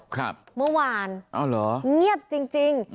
ครับอ๋อเหรอเมื่อวานเงียบจริง